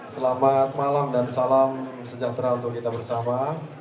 selamat malam dan salam sejahtera untuk kita bersama